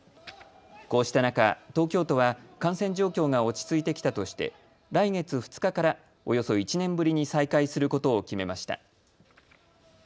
こうした中、東京都は感染状況が落ち着いてきたとして来月２日からおよそ１年ぶりに再開することを決めました。